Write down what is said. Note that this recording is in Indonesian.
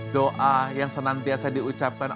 doa yang senantiasa diucapkan